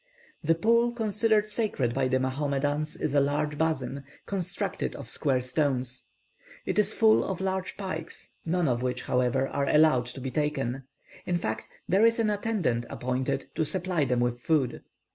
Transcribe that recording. The pool considered sacred by the Mahomedans is a large basin, constructed of square stones. It is full of large pikes, none of which, however, are allowed to be taken; in fact, there is an attendant appointed to supply them with food.